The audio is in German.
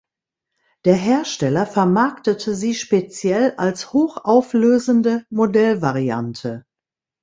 Der Hersteller vermarktete sie speziell als hochauflösende Modellvariante.